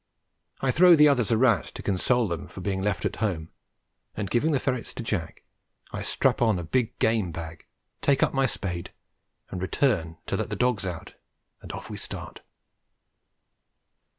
I throw the others a rat to console them for being left at home, and, giving the ferrets to Jack, I strap on a big game bag, take up my spade, return and let the dogs out, and off we start.